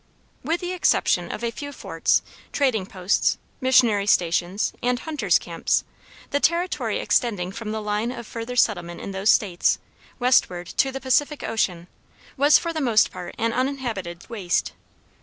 With the exception of a few forts, trading posts, missionary stations, and hunters' camps, the territory extending from the line of furthest settlement in those States, westward to the Pacific Ocean, was for the most part an uninhabited waste.